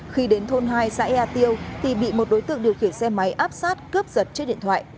khi đến thôn hai xã ea tiêu thì bị một đối tượng điều khiển xe máy áp sát cướp giật chiếc điện thoại